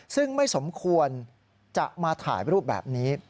ซึ่งไม่สมควรจะมาถ่ายรูปแบบนี้